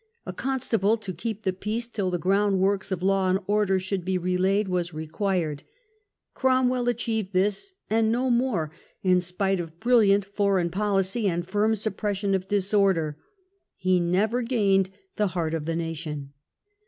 A constable to keep the peace till the ground works of law and order should be relaid was required. Cromwell achieved this and no more, in spite of brilliant foreign policy and firm suppression of disorder. He never gained the heart of the nation.